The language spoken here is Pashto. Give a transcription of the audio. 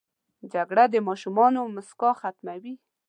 جګړه د ماشومانو موسکا ختموي